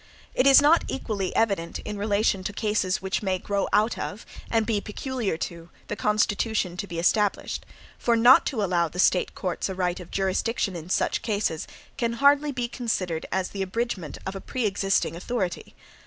It is not equally evident in relation to cases which may grow out of, and be peculiar to, the Constitution to be established; for not to allow the State courts a right of jurisdiction in such cases, can hardly be considered as the abridgment of a pre existing authority.